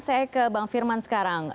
saya ke bang firman sekarang